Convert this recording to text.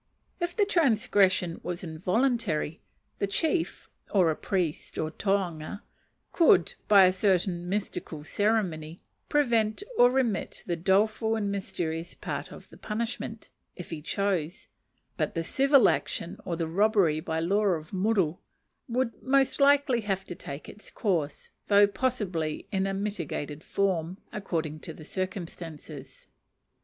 If the transgression was involuntary, the chief, or a priest, or tohunga, could, by a certain mystical ceremony, prevent or remit the doleful and mysterious part of the punishment, if he chose; but the civil action, or the robbery by law of muru, would most likely have to take its course, though possibly in a mitigated form, according to the circumstances.